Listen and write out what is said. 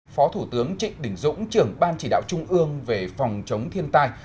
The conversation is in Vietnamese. phó thủ tướng trịnh đình dũng trưởng ban chỉ đạo trung ương về phòng chống thiên tai